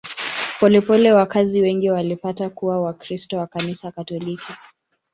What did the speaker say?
Polepole wakazi wengi walipata kuwa Wakristo wa Kanisa Katoliki.